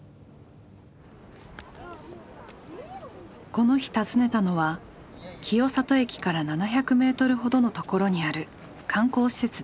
この日訪ねたのは清里駅から７００メートルほどのところにある観光施設です。